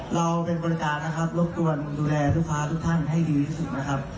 เราเป็นบริการนะครับรบกวนดูแลลูกค้าทุกท่านให้ดีที่สุดนะครับ